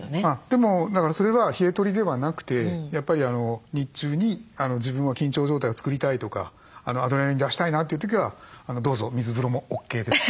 でもそれは冷え取りではなくてやっぱり日中に自分は緊張状態を作りたいとかアドレナリン出したいなという時はどうぞ水風呂もＯＫです。